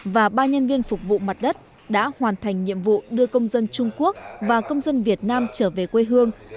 và ba nhân viên phục vụ mặt đất đã hoàn thành nhiệm vụ đưa công dân trung quốc và công dân việt nam trở về quê hương